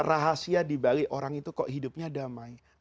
rahasia dibalik orang itu kok hidupnya damai